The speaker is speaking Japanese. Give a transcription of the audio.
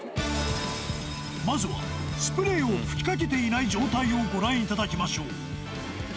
まずはスプレーを吹きかけていない状態をご覧いただきましょう。